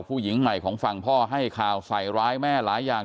ผู้หญิงใหม่ของฝั่งพ่อให้ข่าวใส่ร้ายแม่หลายอย่าง